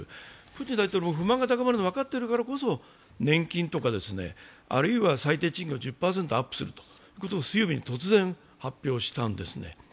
プーチン大統領も不満が高まるのが分かっているからこそ年金とか、あるいは最低賃金を１０％アップするということを水曜日に突然発表したんですね。